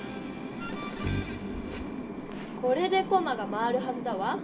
これでコマが回るはずだわ！